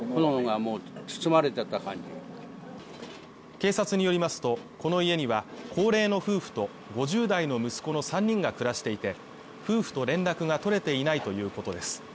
警察によりますとこの家には高齢の夫婦と５０代の息子の３人が暮らしていて、夫婦と連絡が取れていないということです。